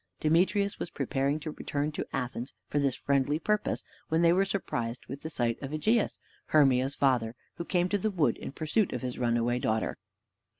Demetrius was preparing to return to Athens for this friendly purpose, when they were surprised with the sight of Egeus, Hermia's father, who came to the wood in pursuit of his runaway daughter.